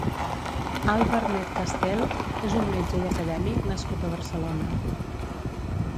Àlvar Net Castel és un metge i acadèmic nascut a Barcelona.